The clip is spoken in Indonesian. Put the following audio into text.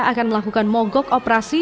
akan melakukan mogok operasi